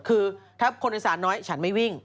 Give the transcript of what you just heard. คือถ้าคนอีสานน้อยฉันไม่วิ่ง